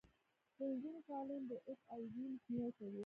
د نجونو تعلیم د اچ آی وي مخنیوی کوي.